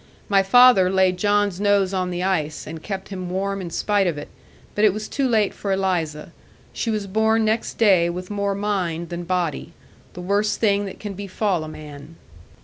My father laid John's nose on the ice, and kept him warm in spite of it; but it was too late for Eliza. She was born next day with more mind than body the worst thing that can befall a man.